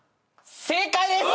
正解です！